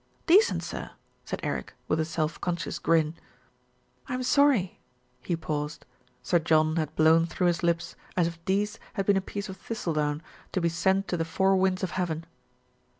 "Decent, sir," said Eric, with a self conscious grin. "I'm sorry " He paused. Sir John had blown through his lips, as if "dece" had been a piece of thistle down to be sent to the four winds of heaven.